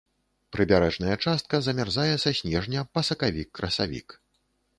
Прыбярэжная частка замярзае са снежня па сакавік-красавік.